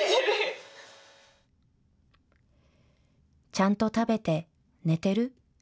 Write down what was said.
ちゃんと食べて寝てる？